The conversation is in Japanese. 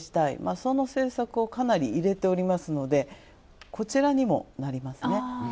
その政策をかなり入れておりますので、こちらにもなりますね。